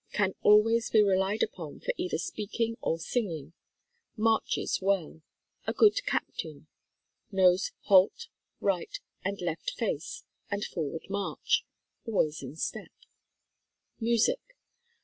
Can always be relied upon for either speaking or singing. Marches well. A good captain. Knows "Halt," "Right," and "Left Face" and "Forward March." Always in step. Music.